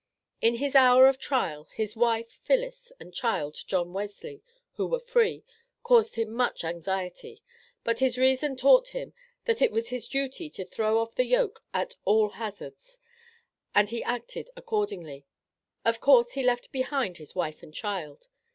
In his hour of trial his wife, Phillis, and child, John Wesley, who were free, caused him much anxiety; but his reason taught him that it was his duty to throw off the yoke at all hazards, and he acted accordingly. Of course he left behind his wife and child.